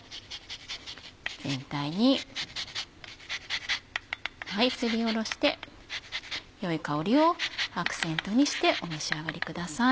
全体にすりおろして良い香りをアクセントにしてお召し上がりください。